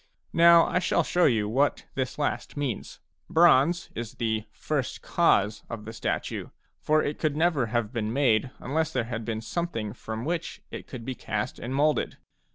Now I shall show you what this last means. Bronze is the "first cause" of the statue, for it could never have been made unless there had been something from which it could be cast and moulded.